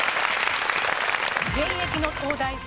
現役の東大生。